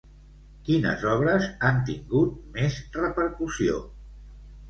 Quines obres han tingut més repercussió?